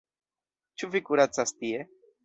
Ĉu vi kuracas tie?